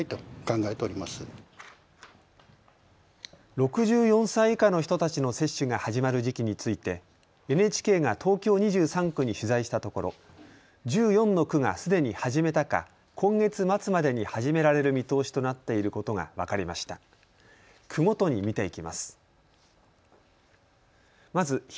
６４歳以下の人たちの接種が始まる時期についてＮＨＫが東京２３区に取材したところ１４の区がすでに始めたか今月末までに始められる見通しとなっていることが分かりました。